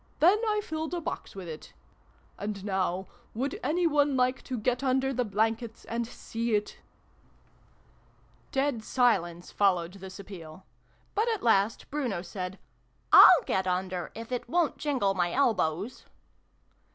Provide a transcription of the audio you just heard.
Then I filled a box with it. And now would any one like to get under the blankets and see it ?" 342 SYLVIE AND BRUNO CONCLUDED. Dead silence followed this appeal : but at last Bruno said "/'// get under, if it won't jingle my elbows."